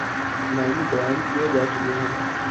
معنی بیان کئے جا چکے ہیں۔